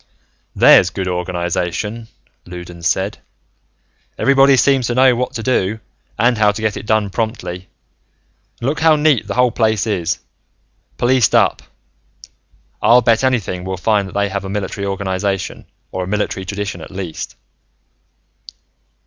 "There's good organization," Loudons said. "Everybody seems to know what to do, and how to get it done promptly. And look how neat the whole place is. Policed up. I'll bet anything we'll find that they have a military organization, or a military tradition at least.